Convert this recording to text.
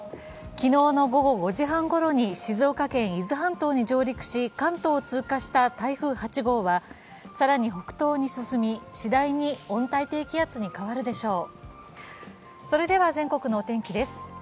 昨日の午後５時半ごろに静岡県伊豆半島に上陸し、関東を通過した台風８号は更に北東に進みしだいに温帯低気圧に変わるでしょう。